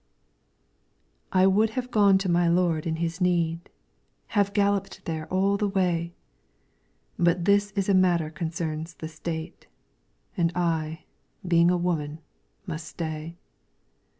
I WOULD have gone to my lord in his need, Have galloped there all the way, But this is a matter concerns the State, And I, being a woman, must stay.